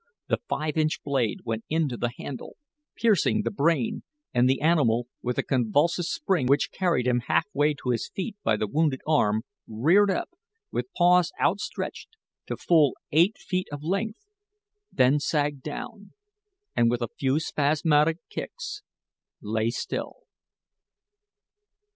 The five inch blade went in to the handle, piercing the brain, and the animal, with a convulsive spring which carried him half way to his feet by the wounded arm, reared up, with paws outstretched, to full eight feet of length, then sagged down, and with a few spasmodic kicks, lay still.